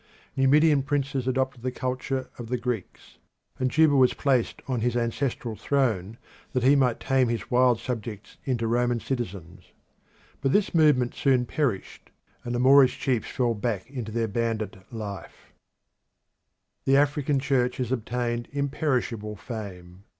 Numidian princes adopted the culture of the Greeks, and Juba was placed on his ancestral throne that he might tame his wild subjects into Roman citizens. But this movement soon perished, and the Moorish chiefs fell back into their bandit life. Roman Africa The African Church has obtained imperishable fame.